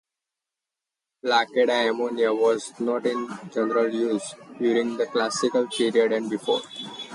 Lacedaemonia was not in general use during the classical period and before.